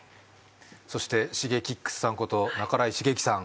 そしてＳｈｉｇｅｋｉｘさんこと半井重幸さん